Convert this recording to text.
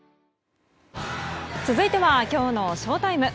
続いてはきょうのＳＨＯＴＩＭＥ。